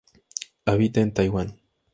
Habita en Taiwan.